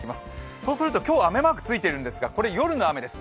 そうすると今日は雨マークついてるんですがこれ、夜の雨です。